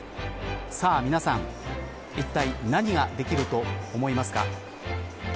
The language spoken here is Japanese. さあ皆さん、いったい何ができると思いますか。